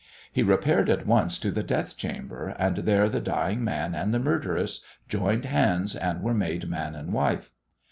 He repaired at once to the death chamber, and there the dying man and the murderess joined hands and were made man and wife.